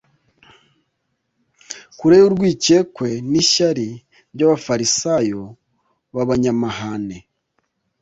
kure y'urwikekwe n'ishyari by'abafarisayo b'abanyamahane.